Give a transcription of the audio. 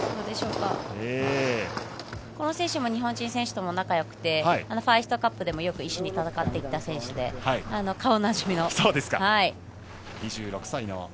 この選手も日本人選手とも仲よくてファーイーストカップでもよく一緒に戦っていた選手で顔なじみの。